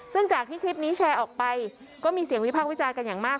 ซึ่งจากที่คลิปนี้แชร์ออกไปก็มีเสียงวิพากษ์วิจารณ์กันอย่างมาก